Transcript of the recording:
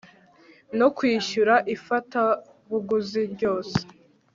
no kwishyura ifatabuguzi ryose